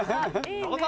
どうぞ！